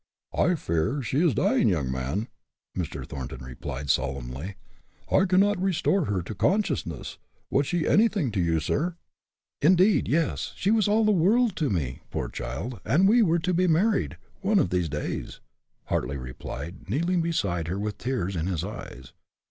"I fear she is dying, young man," Mr. Thornton replied, solemnly. "I can not restore her to consciousness. Was she anything to you, sir?" "Indeed, yes; she was all the world to me, poor child, and we were to be married, one of these days!" Hartly replied, kneeling beside her, with tears in his eyes.